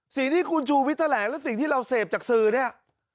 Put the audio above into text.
สิ่งที่คุณชูวิทย์แถลงหรือสิ่งที่เราเสพจากสื่อเนี่ย